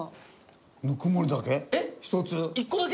「ぬくもり」だけ？